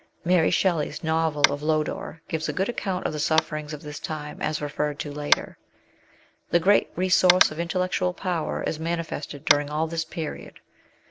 Mary Shelley's novel of Lodore gives a good account of the sufferings of this time, as referred to later. The great resource of intellectual power is manifested during all this period.